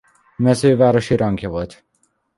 Mezővárosi rangja volt.